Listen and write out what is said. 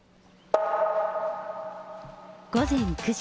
午前９時。